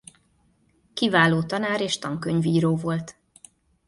Kiváló tanár és tankönyvíró volt.